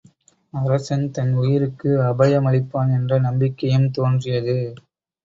அரசன் தன் உயிருக்கு அபயமளிப்பான் என்ற நம்பிக்கையும் தோன்றியது.